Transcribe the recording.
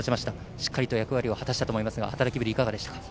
しっかりと役割を果たしたと思いますが働きぶりいかがですか。